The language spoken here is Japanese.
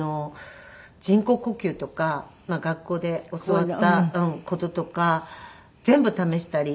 人工呼吸とか学校で教わった事とか全部試したり。